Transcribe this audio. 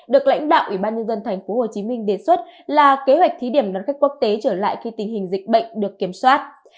được lãnh đạo ủy ban nhân dân thành phố hồ chí minh đề xuất là kế hoạch thí điểm đón khách quốc tế trở lại khi tình hình dịch bệnh được kiểm soát